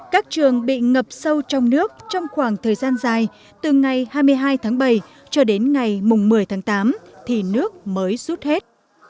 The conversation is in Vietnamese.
các trường bị ngập sâu trong nước trong khoảng thời gian dài từ ngày hai mươi hai tháng bảy cho đến ngày một mươi tháng tám thì nước mới rút hết